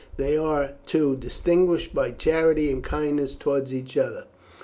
They are, too, distinguished by charity and kindness towards each other.